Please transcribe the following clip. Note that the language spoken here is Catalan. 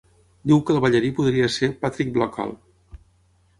Diu que el ballarí podria ser Patrick Blackall.